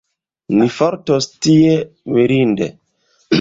Ni fartos tie mirinde.